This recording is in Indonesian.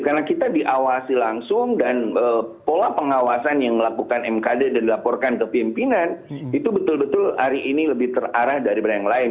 karena kita diawasi langsung dan pola pengawasan yang dilakukan mkd dan dilaporkan ke pimpinan itu betul betul hari ini lebih terarah dari beran yang lain